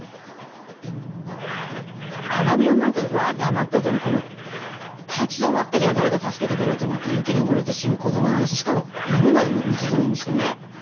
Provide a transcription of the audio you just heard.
「アラビアン・ナイト」にわってハマったあとにこの立ち止まってりゃ誰か助けてくれると思って雪に埋もれて死ぬ子どもの話しかも犬まで道連れにしてね。